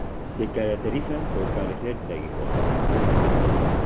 Se caracterizan por carecer de aguijón.